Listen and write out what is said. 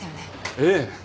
ええ。